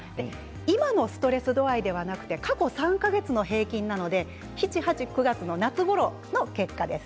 今のストレス度合いではなくて過去３か月の平均なので７月、８月、９月ごろの結果です。